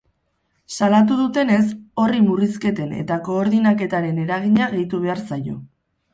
Salatu dutenez, horri murrizketen eta koordainketaren eragina gehitu behar zaio.